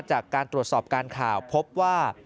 จากการตรวจสอบการข่าวพบว่า